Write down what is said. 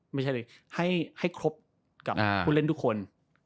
ไม่ใช่เลยให้ครบกับผู้เล่นทุกคน